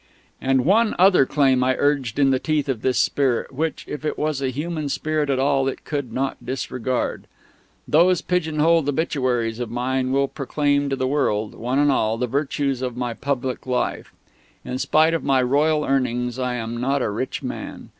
And one other claim I urged in the teeth of this Spirit, which, if it was a human Spirit at all, it could not disregard. Those pigeon holed obituaries of mine will proclaim to the world, one and all, the virtues of my public life. In spite of my royal earnings, I am not a rich man.